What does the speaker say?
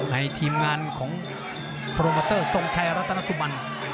ทีมงานของโปรโมเตอร์ทรงชัยรัตนสุบัน